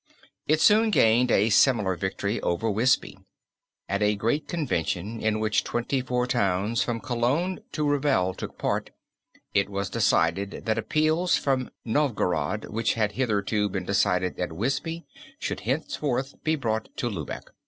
It soon gained a similar victory over Wisby. At a great convention in which twenty four towns from Cologne to Revel took part, it was decided that appeals from Novgorod which had hitherto been decided at Wisby should henceforth be brought to Lübeck."